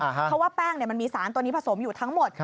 เพราะว่าแป้งมันมีสารตัวนี้ผสมอยู่ทั้งหมด